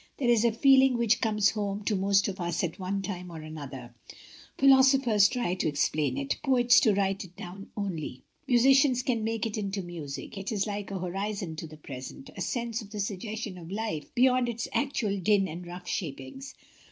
There is a feeling which comes home to most of us at one time or another; philosophers try to explain it, poets to write it down only, musi cians can make it into music, it is like a horizon to the present — a sense of the suggestion of life be yond its actual din and rough shapings.